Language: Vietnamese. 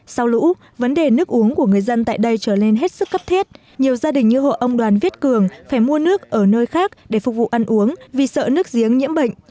sau lũ vấn đề nước uống của người dân tại đây trở nên hết sức cấp thiết nhiều gia đình như hộ ông đoàn viết cường phải mua nước ở nơi khác để phục vụ ăn uống vì sợ nước giếng nhiễm bệnh